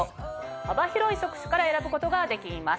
幅広い職種から選ぶことができます。